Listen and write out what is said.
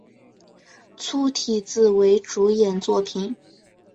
粗体字为主演作品